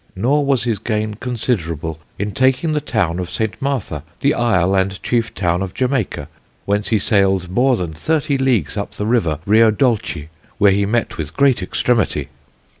Nor was his gaine considerable in taking the Town of Saint Martha, the Isle and chief town of Jamaica, whence he sailed more than thirty leagues up the river Rio dolci, where he met with great extremity.